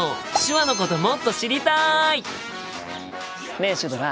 ねえシュドラ。